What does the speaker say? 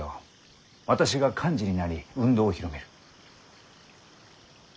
私が幹事になり運動を広める。